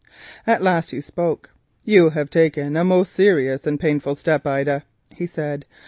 At last he spoke. "You have taken a most serious and painful step, Ida," he said.